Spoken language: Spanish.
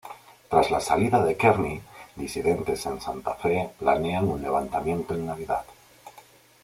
Tras la salida de Kearny, disidentes en Santa Fe planean un levantamiento en Navidad.